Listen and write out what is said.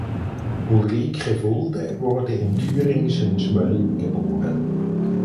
Ulrike Fulde wurde im thüringischen Schmölln geboren.